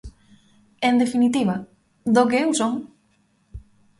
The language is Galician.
En definitiva, do que eu son.